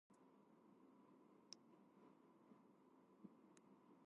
بلې ادعا کې د روزولټ موضوع ورته وه.